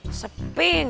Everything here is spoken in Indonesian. nah kan sih